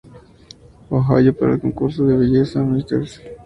Ohio para el concurso de belleza Mrs.